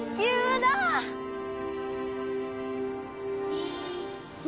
・１２。